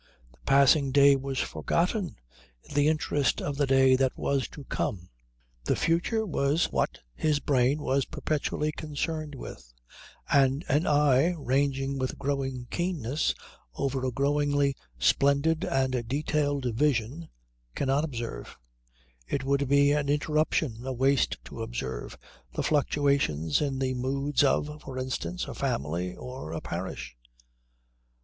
The passing day was forgotten in the interest of the day that was to come. The future was what his brain was perpetually concerned with, and an eye ranging with growing keenness over a growingly splendid and detailed vision cannot observe, it would be an interruption, a waste to observe, the fluctuations in the moods of, for instance, a family or a parish.